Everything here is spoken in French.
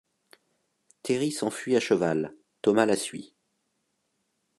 Tery s'enfuit à cheval, Thomas la suit.